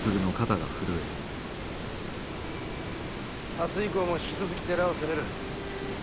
明日以降も引き続き寺を攻める。